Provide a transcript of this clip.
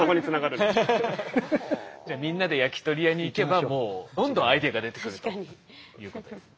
じゃあみんなで焼き鳥屋に行けばもうどんどんアイデアが出てくるということですね。